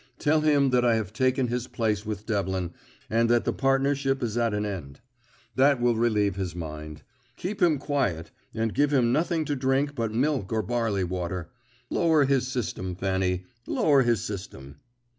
Tell him that I have taken his place with Devlin, and that the partnership is at an end. That will relieve his mind. Keep him quiet, and give him nothing to drink but milk or barley water. Lower his system, Fanny, lower his system."